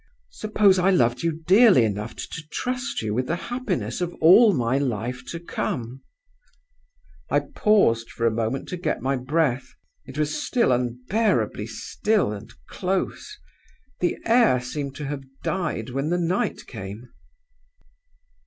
'Suppose I loved you dearly enough to trust you with the happiness of all my life to come?' "I paused a moment to get my breath. It was unbearably still and close; the air seemed to have died when the night came.